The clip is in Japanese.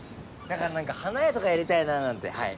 だからなんか花屋とかやりたいなあなんてはい。